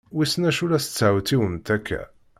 Wissen acu la testewtiwemt akka!